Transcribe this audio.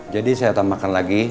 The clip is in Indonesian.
jadi saya tambahkan lagi